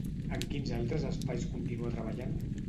En quins altres espais continua treballant?